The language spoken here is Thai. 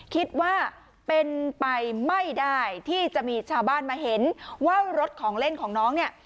คิดว่าเป็นไปไม่ได้ที่จะมีชาวบ้านมาเห็นว่ารถของเล่นของน้องเนี่ย